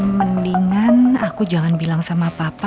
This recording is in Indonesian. mendingan aku jangan bilang sama papa